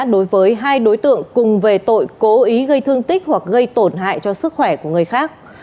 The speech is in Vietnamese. đối với hai đối tượng cùng về tội cố ý gây thương tích hoặc gây tổn hại cho sức khỏe của người khác